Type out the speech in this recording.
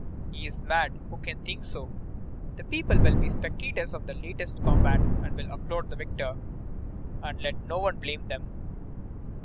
He is mad who can think so. The people will be spectators of the latest combat and will applaud the victor. And let no one blame them!